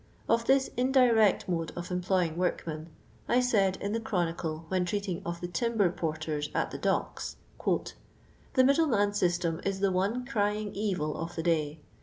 Of this indirect mode of employing workmen, I said, in the CluonicUf when treating of the timber porters at the docks :—'' The middleman system is the one crying evil of the day.